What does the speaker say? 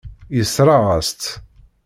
Yessṛeɣ-as-tt.